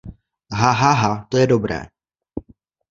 Hahaha, to je dobré!